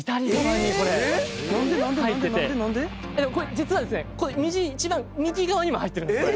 実はですね一番右側にも入ってるんですよね。